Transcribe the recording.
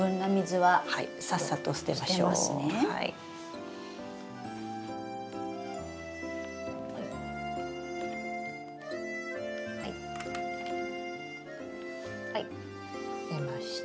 はい捨てました。